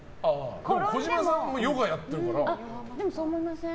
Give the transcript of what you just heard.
児嶋さんもヨガやってるから。